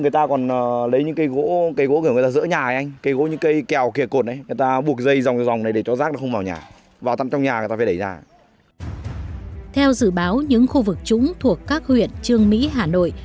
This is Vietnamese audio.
theo dự báo những khu vực trũng thuộc các huyện trương mỹ hà nội